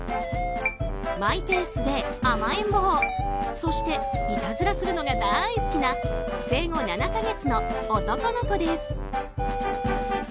マイペースで甘えん坊そしていたずらするのが大好きな生後７か月の男の子です。